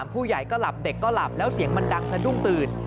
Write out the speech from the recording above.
ผู้ใหญ่ก็หลับเด็กก็หลับแล้วเสียงมันดังสะดุ้งตื่น